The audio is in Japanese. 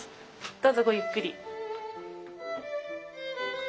どうぞごゆっくり。